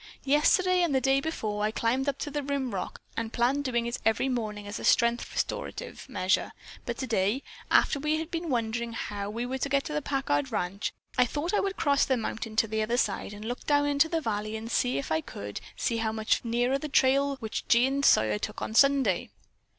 Yesterday and the day before I climbed up to the rim rock and planned doing it every morning as a strength restorative measure, but today, after we had been wondering how we were to get to the Packard ranch, I thought I would cross the mountain to the other side and look down into the valley, and see if I could, how much nearer was the trail which Jean Sawyer took on Sunday.